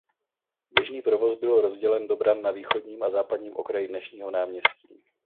Běžný provoz byl rozdělen do bran na východním a západním okraji dnešního náměstí.